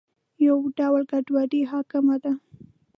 یو ډول ګډوډي حاکمه ده.